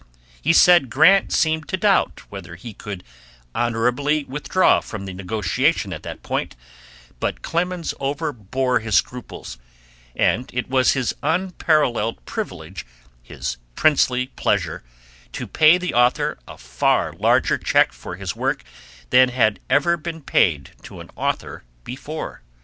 He said Grant seemed to doubt whether he could honorably withdraw from the negotiation at that point, but Clemens overbore his scruples, and it was his unparalleled privilege, his princely pleasure, to pay the author a far larger check for his work than had ever been paid to an author before.